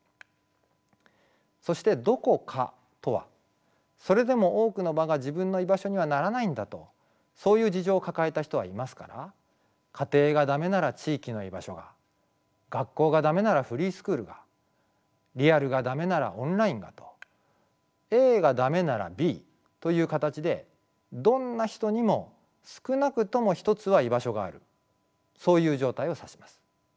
そして「どこか」とはそれでも多くの場が自分の居場所にはならないんだとそういう事情を抱えた人はいますから家庭がダメなら地域の居場所が学校がダメならフリースクールがリアルがダメならオンラインがとＡがダメならＢという形でどんな人にも少なくとも一つは居場所があるそういう状態を指します。